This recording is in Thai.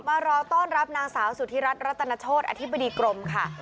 มารอต้อนรับนางสาวสุธิรัฐรัตนโชธอธิบดีกรมค่ะ